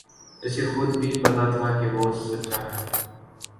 اسے خود بھی پتہ تھا کہ وہ سچا ہے